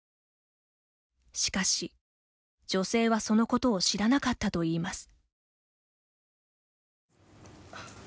しかし、女性はそのことを知らなかったといいます。